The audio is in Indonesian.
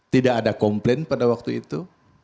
tidak ada komplain pada waktu itu